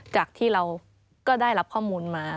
จากที่เราก็ได้รับข้อมูลมา